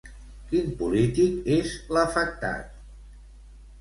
Quin polític és l'afectat?